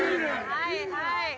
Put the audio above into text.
はいはい。